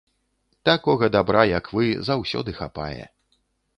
Такога дабра, як вы, заўсёды хапае.